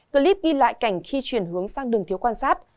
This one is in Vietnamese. clip ghi lại cảnh khi chuyển hướng sang đường thiếu quan sát